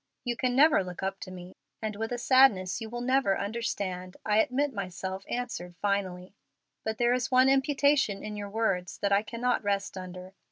You can never look up to me, and with a sadness you will never understand, I admit myself answered finally. But there is one imputation in your words that I cannot rest under.